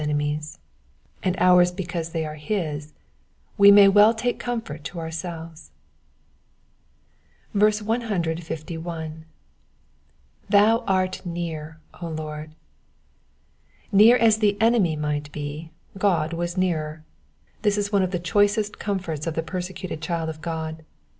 enemies, and ours because they are his, we may well take comfort to our selves. 151. ^''Thou art near^ Lord." Near as the enemy might be, €k)d was nearer : this is one of the choicest comforts of the persecuted child of God.